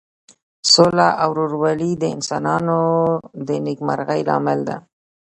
سوله او ورورولي د انسانانو د نیکمرغۍ لامل ده.